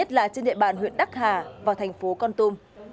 tại địa bàn huyện đắc hà vào thành phố con tum